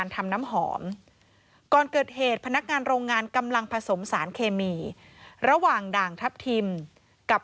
ทำน้ำหอมก่อนเกิดเหตุพนักงานโรงงานกำลังผสมสารเคมีระหว่างด่างทัพทิมกับ